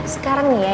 sekarang nih ya